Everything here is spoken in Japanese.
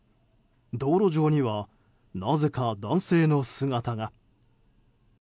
道路上には、なぜか男性の姿が。